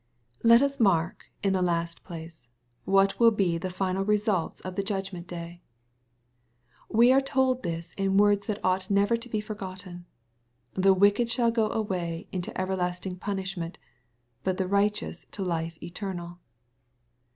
^ Let us mark, in the last place, what vdU he the firial results of the judgrruent day. We are told this in words that ought never to be forgotten, ^' the wicked shaU go away into everlasting punishment : but the righteous into life eternal."